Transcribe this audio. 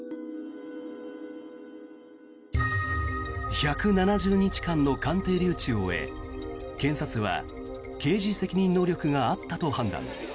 １７０日間の鑑定留置を終え検察は刑事責任能力があったと判断。